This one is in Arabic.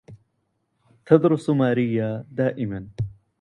تدرس ماريا دائماً.